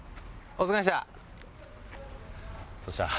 お疲れした。